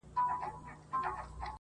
• د تکراري حُسن چيرمني هر ساعت نوې یې.